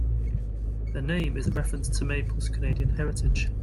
The name is a reference to Maple's Canadian heritage.